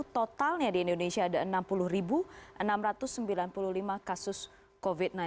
totalnya di indonesia ada enam puluh enam ratus sembilan puluh lima kasus covid sembilan belas